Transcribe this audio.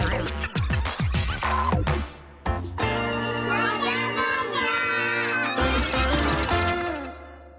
もじゃもじゃ！